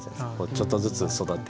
ちょっとずつ育って。